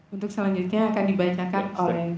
untuk selanjutnya akan dibacakan oleh